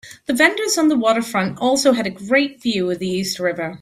The vendors on the waterfront also have a great view of the East River.